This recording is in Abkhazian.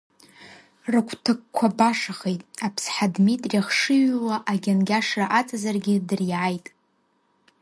Рыгәҭакқәа башахеит, Аԥсҳа Дмитри хшыҩла агьангьашра аҵазаргьы дыриааит.